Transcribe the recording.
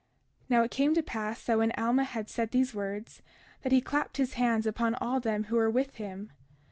31:36 Now it came to pass that when Alma had said these words, that he clapped his hands upon all them who were with him.